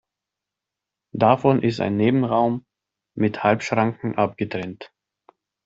Davon ist ein Nebenraum mit Halbschranken abgetrennt.